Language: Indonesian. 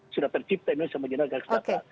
sipta indonesia menjadi negara kesejahteraan